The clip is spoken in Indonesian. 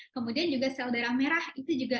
kemudian juga sel darah merah itu juga